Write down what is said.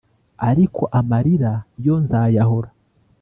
Ariko amarira yo nzayahora